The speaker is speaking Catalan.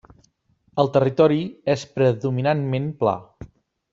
El territori és predominantment pla.